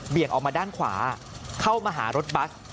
ออกมาด้านขวาเข้ามาหารถบัส